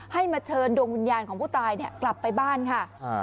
มาเชิญดวงวิญญาณของผู้ตายเนี่ยกลับไปบ้านค่ะ